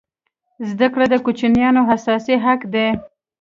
زده کړه د کوچنیانو اساسي حق دی.